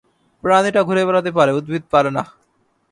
প্রাণীরা ঘুরে বেড়াতে পারে, উদ্ভিদ পারে না।